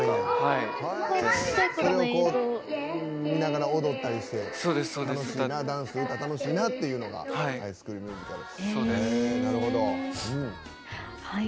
それを見ながら踊ったりして歌、ダンス楽しいなっていうのが「ハイスクール・ミュージカル」。